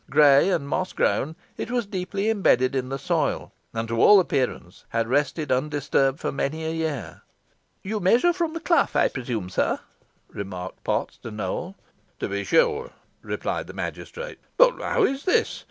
Grey and moss grown, it was deeply imbedded in the soil, and to all appearance had rested undisturbed for many a year. "You measure from the clough, I presume, sir?" remarked Potts to Nowell. "To be sure," replied the magistrate; "but how is this?